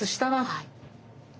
はい。